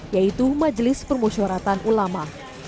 yaitu majelis permusyawaratan ulama